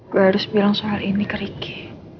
gue harus bilang soal ini ke ricky